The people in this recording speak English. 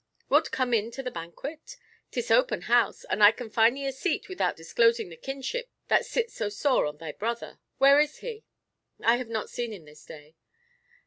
"Wilt come in to the banquet? 'Tis open house, and I can find thee a seat without disclosing the kinship that sits so sore on thy brother. Where is he?" "I have not seen him this day."